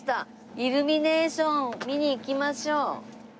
イルミネーション見に行きましょう。